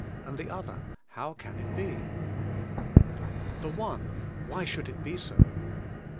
and the other: "How can it be?" The one, "Why should it be so?"